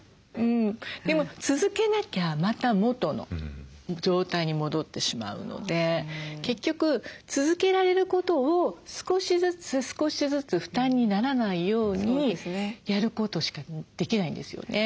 でも続けなきゃまた元の状態に戻ってしまうので結局続けられることを少しずつ少しずつ負担にならないようにやることしかできないんですよね。